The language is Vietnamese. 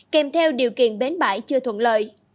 kèm theo điều kiện bến bãi chưa thuận lợi